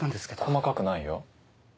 細かくないよ？